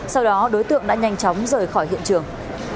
sau đó đối tượng đã nhanh chóng rời khỏi hiện trường